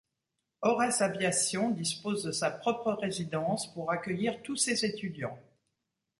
Aurès Aviation, dispose de sa propre résidence pour accueillir tous ses étudiants.